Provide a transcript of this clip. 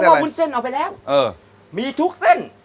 เพราะว่าวุ้นเส้นเอาไปแล้วมีทุกเส้น